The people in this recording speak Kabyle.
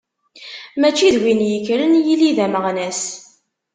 Mačči win yekkren yili d ameɣnas.